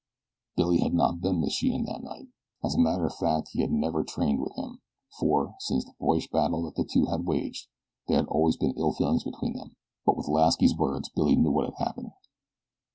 Billy had not been with Sheehan that night. As a matter of fact he never had trained with him, for, since the boyish battle that the two had waged, there had always been ill feeling between them; but with Lasky's words Billy knew what had happened.